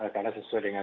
karena sesuai dengan